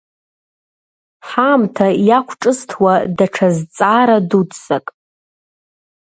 Ҳаамҭа иақәҿызҭуа, даҽа зҵаара дуӡӡак…